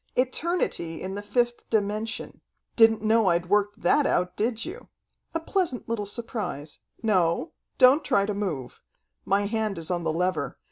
"Eternity in the fifth dimension. Didn't know I'd worked that out, did you? A pleasant little surprise. No, don't try to move. My hand is on the lever.